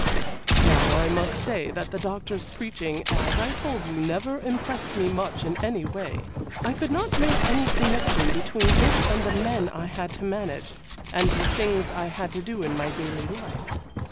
'Now I must say that the Doctor's preaching, as I told you, never impressed me much in any way. I could not make any connection between it and the men I had to manage, and the things I had to do in my daily life.